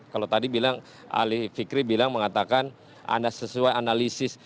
kalau tadi bilang ali fikri bilang mengatakan anda sesuai analisis